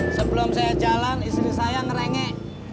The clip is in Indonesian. sebelum saya jalan istri saya ngerengek